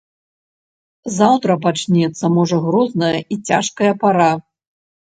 Заўтра пачнецца можа грозная і цяжкая пара.